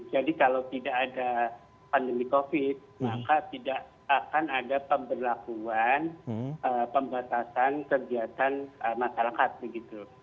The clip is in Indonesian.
jadi kalau tidak ada pandemi covid sembilan belas maka tidak akan ada pemberlakuan pembatasan kegiatan masyarakat